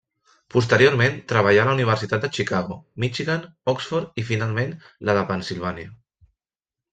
Posteriorment treballà a la Universitat de Chicago, Michigan, Oxford i finalment la de Pennsilvània.